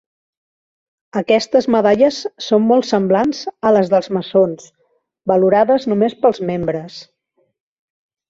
Aquestes medalles són molt semblants a les dels maçons, valorades només pels membres.